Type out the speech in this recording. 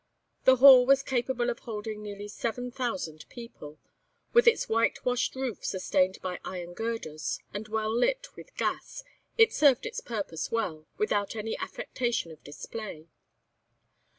The hall was capable of holding nearly seven thousand people; with its white washed roof sustained by iron girders, and well lit with gas, it served its purpose well without any affectation of display.